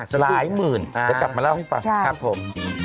สักครู่หลายหมื่นอ่าเดี๋ยวกลับมาเล่าใช่ครับผม